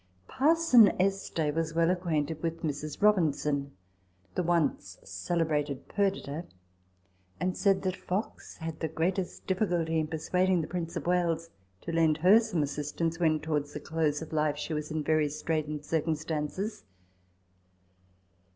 Parson Este was well acquainted with Mrs. Robinson (the once celebrated "Perdita"), and said that Fox had the greatest difficulty in persuading the Prince of Wales to lend her some assistance when, i io RECOLLECTIONS OF THE towards the close of life, she was in very straitened circumstances.